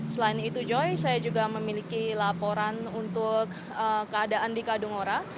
selain itu joy saya juga memiliki laporan untuk keadaan di kadungora